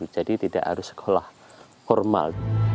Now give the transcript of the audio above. jadi tidak harus sekolah formal